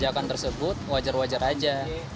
kebijakan tersebut wajar wajar aja